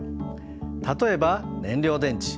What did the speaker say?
例えば燃料電池。